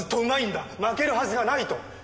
負けるはずがないと。